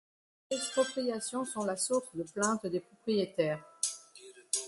Les expropriations sont la source de plaintes des propriétaires.